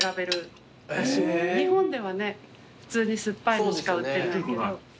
日本ではね普通に酸っぱいのしか売ってないけど。